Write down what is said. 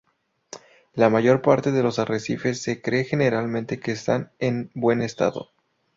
La mayor parte de los arrecifes se cree generalmente que están en buen estado.